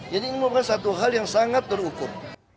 jadi ini merupakan satu hal yang sangat terukur